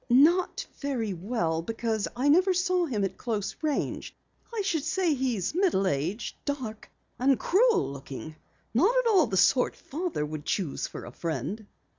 "Not very well because I never saw him at close range. I should say he's middle aged, dark and cruel looking. Not at all the sort Father would choose for a friend."